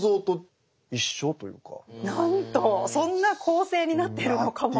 そんな構成になっているのかも。